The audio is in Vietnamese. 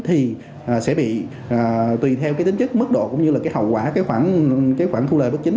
thì sẽ bị tùy theo tính chất mức độ cũng như là hậu quả khoản thu lợi bất chính